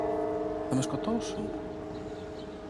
Θα με σκοτώσουν!